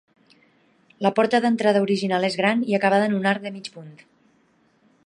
La porta d'entrada original és gran i acabada en un arc de mig punt.